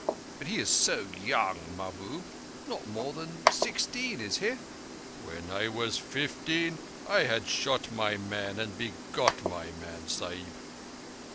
"But he is so young, Mahbub—not more than sixteen—is he?" "When I was fifteen, I had shot my man and begot my man, Sahib."